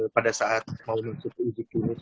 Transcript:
pada saat mau masuk uji klinis